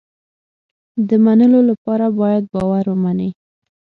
د منلو لپاره باید باور ومني.